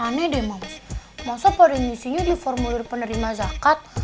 aneh deh mams masa pada misinya di formulir penerima jakat